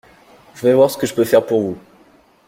Je vais voir ce que je peux faire pour vous.